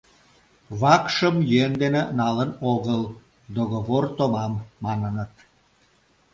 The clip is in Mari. — Вакшым йӧн дене налын огыл, договор томам, — маныныт.